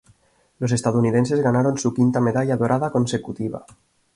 Los estadounidenses ganaron su quinta medalla dorada consecutiva.